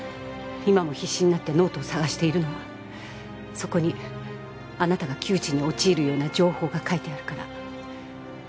今も必死になってノートを捜しているのはそこにあなたが窮地に陥るような情報が書いてあるから。